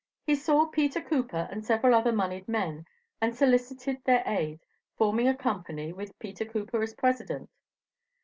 He saw Peter Cooper and several other moneyed men and solicited their aid, forming a company, with Peter Cooper as president.